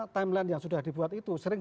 timeline yang sudah dibuat itu sering